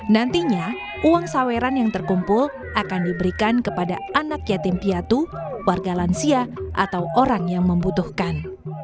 nantinya uang saweran yang terkumpul akan diberikan kepada anak yatim piatu warga lansia atau orang yang membutuhkan